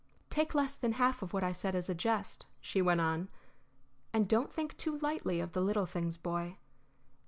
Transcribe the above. "Take less than half of what I said as a jest," she went on. "And don't think too lightly of the little things, Boy.